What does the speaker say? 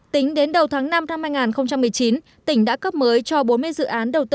tính đến đầu tháng năm năm hai nghìn một mươi chín tỉnh đã cấp mới cho bốn mươi dự án đầu tư